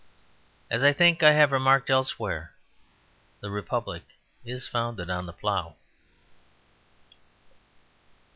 As I think I have remarked elsewhere, the Republic is founded on the plough.